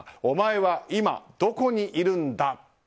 お前は今どこにいるんだ？